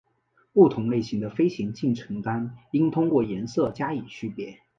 不同类型的飞行进程单应通过颜色加以区别。